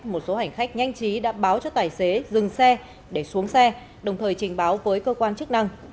một số hành khách nhanh chí đã báo cho tài xế dừng xe để xuống xe đồng thời trình báo với cơ quan chức năng